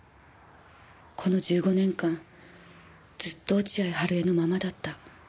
この１５年間ずっと落合春枝のままだった。